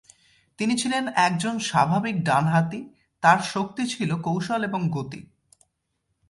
তিনি ছিলেন একজন স্বাভাবিক ডান হাতি, তার শক্তি ছিল কৌশল এবং গতি।